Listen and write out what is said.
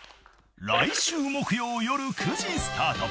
［来週木曜夜９時スタート］